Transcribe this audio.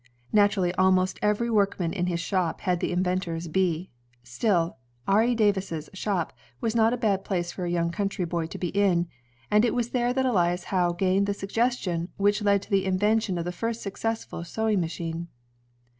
Naturally almost every workman in his shop had the inventor's bee. Still, Ari Davis's shop was not a bad place for a young country boy to be in, and it was there that Elias Howe gained the suggestion which led to the invention of the first successful sewing machine.